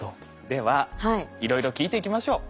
ではいろいろ聞いていきましょう。